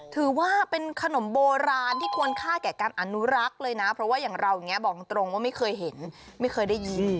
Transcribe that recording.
ถือว่าเป็นขนมโบราณที่ควรค่าแก่การอนุรักษ์เลยนะเพราะว่าอย่างเราอย่างนี้บอกตรงว่าไม่เคยเห็นไม่เคยได้ยิน